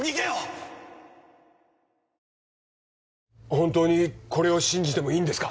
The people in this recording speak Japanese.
本当にこれを信じてもいいんですか？